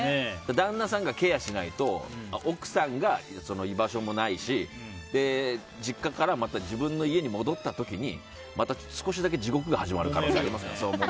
旦那さんがケアしないと奥さんが居場所もないし実家からまた自分の家に戻った時にまた、少しだけ地獄が始まる可能性ありますから。